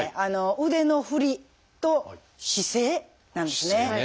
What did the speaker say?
腕の振りと姿勢なんですね。